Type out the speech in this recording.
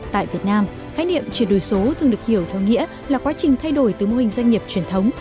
tại việt nam khái niệm chuyển đổi số thường được hiểu theo nghĩa là quá trình thay đổi từ mô hình doanh nghiệp truyền thống